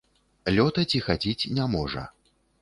Лётаць і хадзіць не можа.